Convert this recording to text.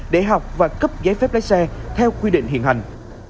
để học và cấp giấy phép lái xe theo quy định hiện hành